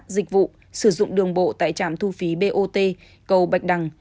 dịch vụ sử dụng đường bộ tại trạm thu phí bot cầu bạch đằng